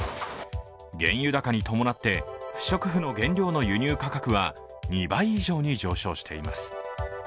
原油高に伴って不織布の原料の輸入価格は２倍以上に上昇しています。